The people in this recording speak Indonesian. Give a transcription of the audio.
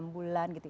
enam bulan gitu